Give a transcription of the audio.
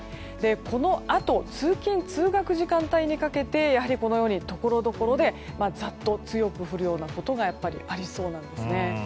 このあと通勤・通学時間帯にかけてところどころでざっと強く降るところがありそうです。